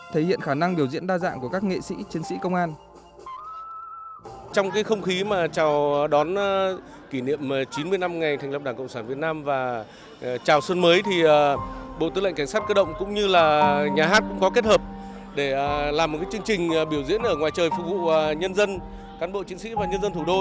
thể hiện khả năng biểu diễn đa dạng của các nghệ sĩ chiến sĩ công an